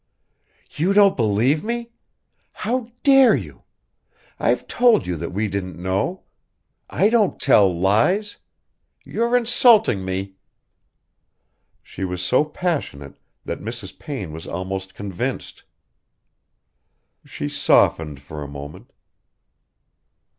"You don't believe me? How dare you? I've told you that we didn't know. I don't tell lies. You're insulting me...." She was so passionate that Mrs. Payne was almost convinced. She softened for a moment.